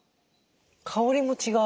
香りも違う。